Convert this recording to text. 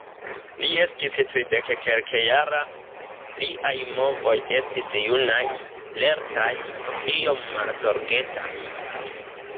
Li estis tridekkelkjara, liaj movoj estis junaj, lertaj, iom malzorgetaj.